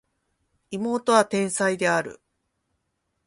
妹は天才である